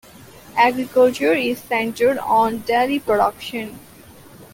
Agriculture is centered on dairy production.